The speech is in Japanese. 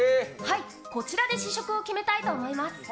こちらで試食を決めたいと思います。